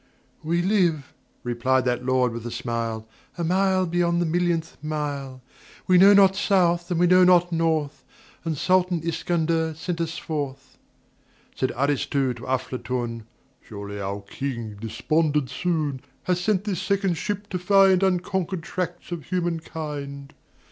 "We live," replied that Lord with a smile, "A mile beyond the millionth mile. We know not South and we know not North, And SULTAN ISKANDER sent us forth." Said Aristu to Aflatun "Surely our King, despondent soon, Has sent this second ship to find Unconquered tracts of humankind."